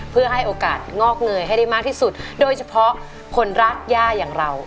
เพื่อให้โอกาสงอกเงยให้ได้มากที่สุดโดยเฉพาะคนรักย่าอย่างเรา